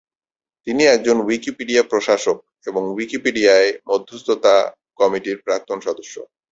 তিনি একজন উইকিপিডিয়া প্রশাসক, এবং উইকিপিডিয়ায় মধ্যস্থতা কমিটির প্রাক্তন সদস্য।